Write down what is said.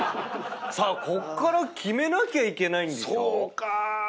さあこっから決めなきゃいけないんでしょ